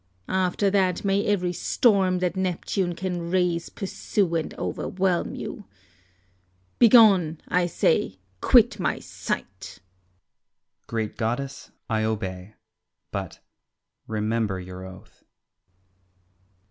After that may every storm that Neptune can raise pursue and overwhelm you. Begone, I say, quit my sight. Ulysses. Great goddess, I obey, but remember your oath.